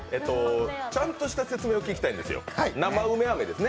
ちゃんとした説明を聞きたいんですよ、生梅飴ですね。